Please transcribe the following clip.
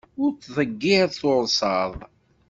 Ur ttḍeggir tursaḍ!